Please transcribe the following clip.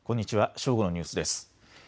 正午のニュースです。